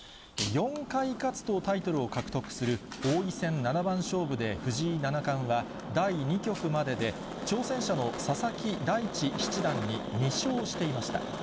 ４回勝つとタイトルを獲得する王位戦七番勝負で藤井七冠は、第２局までで、挑戦者の佐々木大地七段に２勝していました。